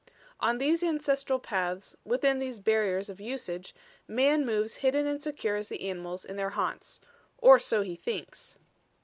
On these ancestral paths, within these barriers of usage, man moves hidden and secure as the animals in their haunts or so he thinks.